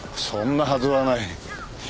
そんなはずはない。